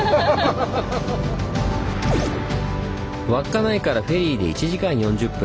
稚内からフェリーで１時間４０分。